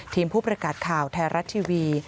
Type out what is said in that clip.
ผู้ประกาศข่าวไทยรัฐทีวี